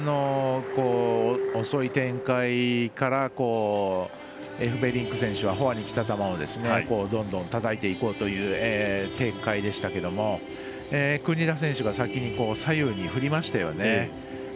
遅い展開からエフベリンク選手フォアにきた球をどんどんたたいていこうという展開でしたけれども国枝選手が先に左右に振りましたよね。